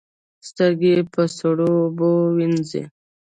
سترګې په سړو اوبو وینځئ